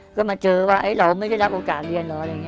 ก็มาเจอว่าเราไม่ได้รับโอกาสเรียนล้อ